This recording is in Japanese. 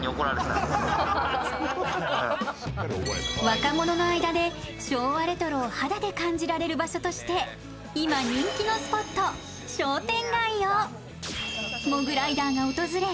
若者の間で昭和レトロを肌で感じられる場所として今、人気のスポット・商店街をモグライダーが訪れ